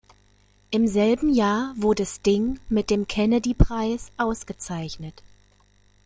Im selben Jahr wurde Sting mit dem Kennedy-Preis ausgezeichnet.